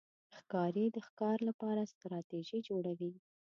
ښکاري د ښکار لپاره ستراتېژي جوړوي.